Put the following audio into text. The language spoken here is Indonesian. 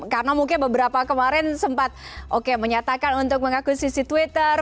karena mungkin beberapa kemarin sempat oke menyatakan untuk mengaku sisi twitter